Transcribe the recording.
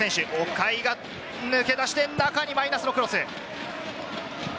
岡井が抜け出して、中にマイナスのクロス。